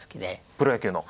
プロ野球の？